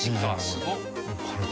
すごっ！